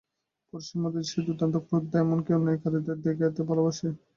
পুরুষের মধ্যে সে দুর্দান্ত, ক্রুদ্ধ, এমন-কি, অন্যায়কারীকে দেখতে ভালোবাসে।